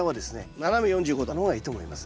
斜め４５度の方がいいと思います。